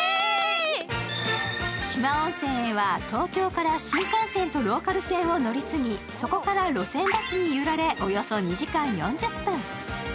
四万温泉へは東京から新幹線とローカル線を乗り継ぎ、そこから路線バスに揺られおよそ２時間４０分。